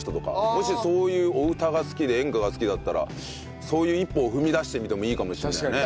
もしそういうお歌が好きで演歌が好きだったらそういう一歩を踏み出してみてもいいかもしれないね。